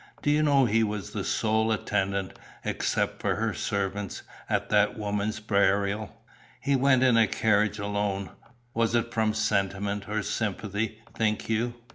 "Do you know he was the sole attendant, except for her servants, at that woman's burial. He went in a carriage alone. Was it from sentiment, or sympathy, think you?"